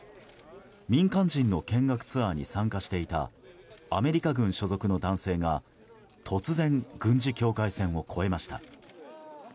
民間人の見学ツアーに参加していたアメリカ軍所属の男性が突然、軍事境界線を越えました。